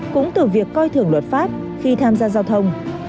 cũng từ việc coi thưởng luật pháp khi tham gia giao thông